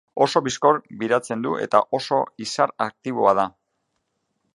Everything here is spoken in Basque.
Oso bizkor biratzen du eta oso izar aktiboa da.